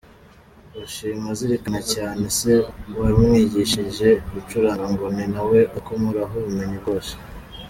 Bashima azirikana cyane se wamwigishije gucuranga, ngo ni na we akomoraho ubumenyi bwose.